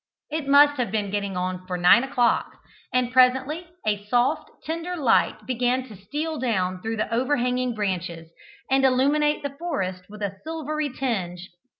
It must now have been getting on for nine o'clock, and presently a soft, tender light began to steal down through the overhanging branches, and illuminate the forest with a silvery tinge.